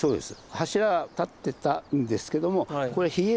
柱が立ってたんですけどもこれ比叡山から。